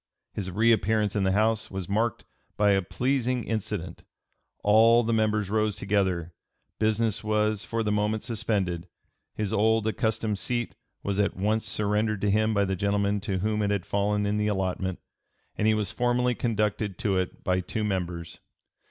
His reappearance in the House was marked by a pleasing incident: all the members rose together; business was for the moment suspended; his old accustomed seat was at once surrendered to him by the gentleman to whom it had fallen in the allotment, and he was formally conducted to it by two members.